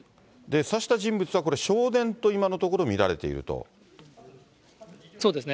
刺した人物は、これ、少年と今のところ見られていそうですね。